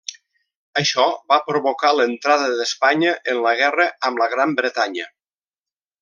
Això va provocar l'entrada d'Espanya en la guerra amb la Gran Bretanya.